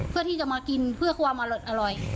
เพื่อที่จะมากินเพื่อความอร่อย